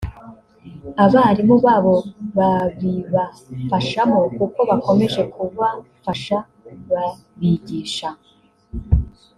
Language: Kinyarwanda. Abarimu babo babibafashamo kuko bakomeje kubafasha babigisha